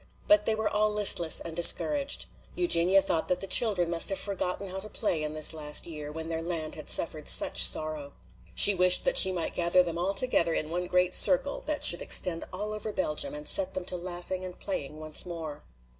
But they were all listless and discouraged. Eugenia thought that the children must have forgotten how to play in this last year, when their land had suffered such sorrow. She wished that she might gather them all together in one great circle that should extend all over Belgium and set them to laughing and playing once more.